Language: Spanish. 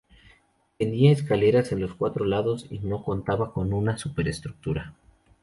Tenía escaleras en los cuatro lados y no contaba con una superestructura.